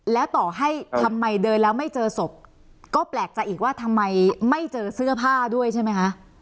แล้วต่อให้ทำไมเดินแล้วไม่เจอศพก็แปลกใจอีกว่าทำไมไม่เจอเสื้อผ้าด้วยใช่ไหมคะ